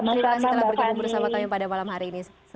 terima kasih telah bergabung bersama kami pada malam hari ini